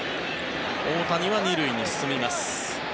大谷は２塁に進みます。